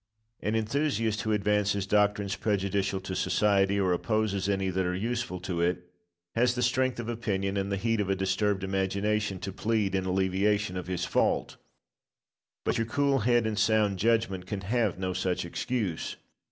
Locke. An enthusiast who advances doctrines prejudicial to society, or opposes any that are useful to it, has the strength of opinion and the heat of a disturbed imagination to plead in alleviation of his fault; but your cool head and sound judgment can have no such excuse.